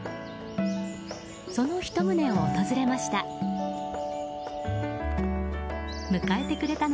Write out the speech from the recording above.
その１棟を訪れました。